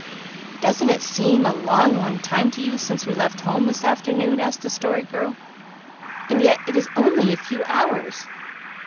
"Doesn't it seem a long, long time to you since we left home this afternoon?" asked the Story Girl. "And yet it is only a few hours."